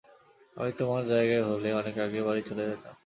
আমি তোমার জায়গায় হলে অনেক আগেই বাড়ি চলে যেতাম।